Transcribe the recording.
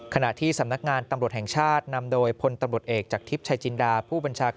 ขณะที่สำนักงานตำรวจแห่งชาตินำโดยพลตำรวจเอกจากทิพย์ชายจินดาผู้บัญชาการ